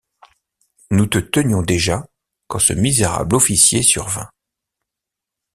Nous te tenions déjà, quand ce misérable officier survint.